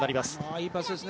いいパスですね。